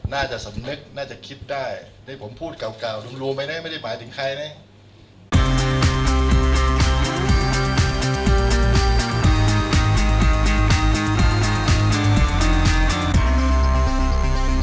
น่าจะสำนึกน่าจะคิดได้เลยผมพูดเการู้ไหมเนี่ยไม่ได้หมายถึงใครเนี่ย